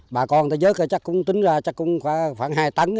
bà con ta dớt chắc cũng tính ra khoảng hai tấn